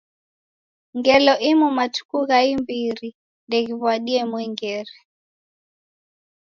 Ngelo imu matuku gha imbiri ndeghiw'adie mwengere.